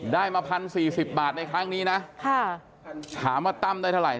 ได้มา๑๐๔๐บาทในครั้งนี้นะถามว่าตั้มได้เท่าไห